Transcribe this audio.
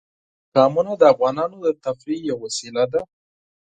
قومونه د افغانانو د تفریح یوه وسیله ده.